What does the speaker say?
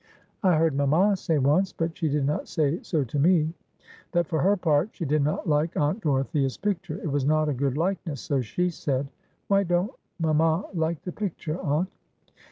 "I heard mamma say once but she did not say so to me that, for her part, she did not like aunt Dorothea's picture; it was not a good likeness, so she said. Why don't mamma like the picture, aunt?"